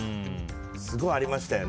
すごいありましたよね。